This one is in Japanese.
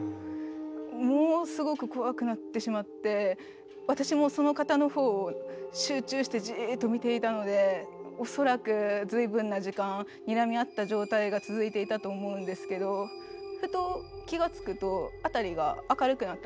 ものすごく怖くなってしまって私もその方の方を集中してじっと見ていたので恐らく随分な時間にらみ合った状態が続いていたと思うんですけどふと気が付くと辺りが明るくなったんですよ。